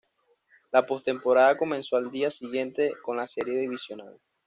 La postemporada comenzó al día siguiente con la Serie Divisional.